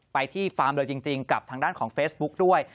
ไปที่ฟาร์มเลยจริงกับทางด้านของเฟซบุ๊กด้วย